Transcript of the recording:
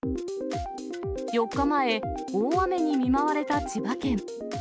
４日前、大雨に見舞われた千葉県。